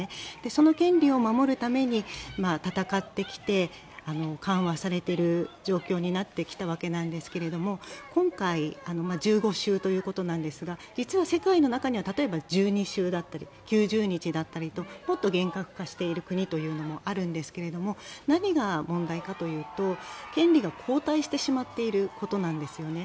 その権利を守るために闘ってきて緩和されている状況になってきたわけなんですが今回１５週ということなんですが実は世界の中には例えば１２週だったり９０日だったりともっと厳格化している国もあるんですが何か問題かというと権利が後退してしまっていることなんですよね。